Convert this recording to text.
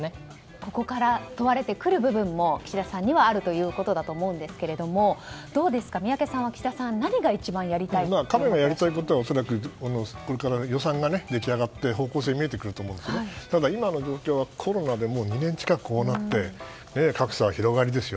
ここから問われてくる部分も岸田さんにはあるということだと思うんですが宮家さんは、岸田さんは何が一番やりたいと彼のやりたいことは予算が出来上がって方向性が見えてくると思いますがただ、今の状況はコロナで２年近くこうなって格差は広がりですよ。